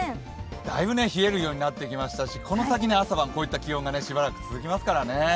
だいぶ冷えるようになってきましたし、これから先、朝晩、こういった気温がしばらく続きますからね。